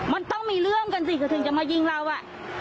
มันต้องมีเรื่องกันสิก็ถึงจะมายิงเราอ่ะ